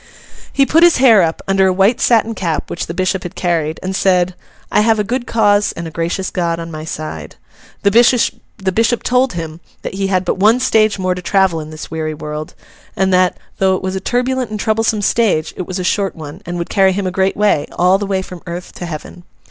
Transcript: He put his hair up, under a white satin cap which the bishop had carried, and said, 'I have a good cause and a gracious God on my side.' The bishop told him that he had but one stage more to travel in this weary world, and that, though it was a turbulent and troublesome stage, it was a short one, and would carry him a great way—all the way from earth to Heaven.